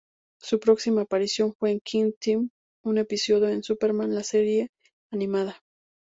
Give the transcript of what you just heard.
Su próxima aparición fue en "Knight Time", un episodio de "Superman: La serie animada".